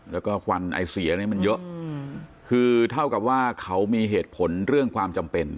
แล้วก็ควันไอเสียเนี่ยมันเยอะคือเท่ากับว่าเขามีเหตุผลเรื่องความจำเป็น